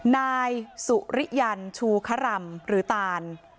นายสุริยันชูครำหรือตาน